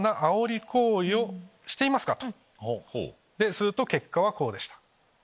すると結果はこうでした。